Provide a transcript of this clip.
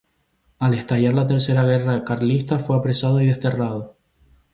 Al estallar la Tercera Guerra Carlista, fue apresado y desterrado.